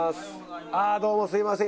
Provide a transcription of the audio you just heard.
あどうもすいません。